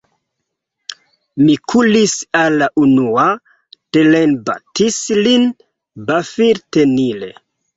Mi kuris al la unua, terenbatis lin pafiltenile.